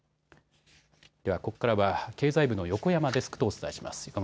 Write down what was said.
では、ここからは経済部の横山デスクとお伝えします。